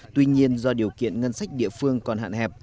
tuy nhiên do điều kiện ngân sách địa phương còn hạn hẹp